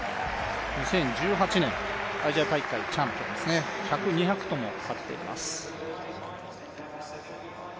２０１８年アジア大会チャンピオン１００、２００とも勝っています。